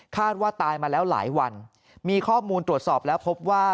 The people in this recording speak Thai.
ว่าตายมาแล้วหลายวันมีข้อมูลตรวจสอบแล้วพบว่า